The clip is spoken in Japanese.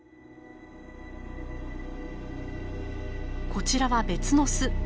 こちらは別の巣。